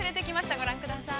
ご覧ください。